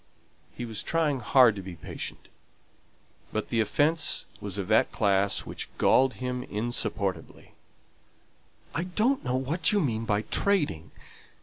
He was trying hard to be patient; but the offence was of that class which galled him insupportably. "I don't know what you mean by trading.